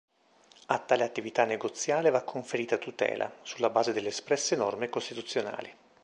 A tale attività negoziale va conferita tutela, sulla base delle espresse norme costituzionali.